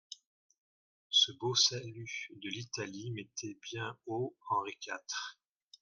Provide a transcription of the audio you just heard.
Ce beau salut de l'Italie mettait bien haut Henri quatre.